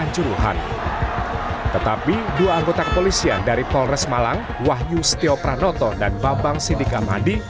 juruhan tetapi dua anggota kepolisian dari polres malang wahyu setiopranoto dan babang sindika madi